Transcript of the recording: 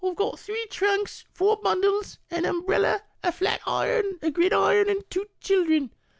"Ive got three trunks, four bundles, an umbrella, a flat iron, a gridiron, and two childer." Porter.